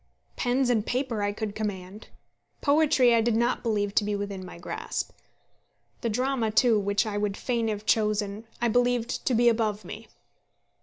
Pens and paper I could command. Poetry I did not believe to be within my grasp. The drama, too, which I would fain have chosen, I believed to be above me.